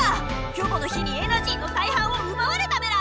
キョボの日にエナジーの大半をうばわれたメラ！